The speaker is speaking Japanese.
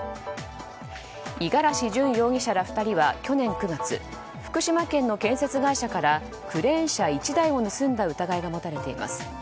五十嵐純容疑者ら２人は去年９月、福島県の建設会社からクレーン車１台を盗んだ疑いが持たれています。